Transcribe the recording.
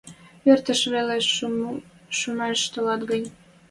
Выртеш веле шӱмӹш толат гӹнь